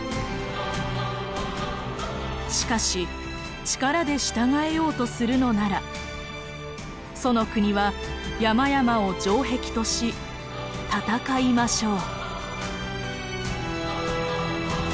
「しかし力で従えようとするのなら楚の国は山々を城壁とし戦いましょう」。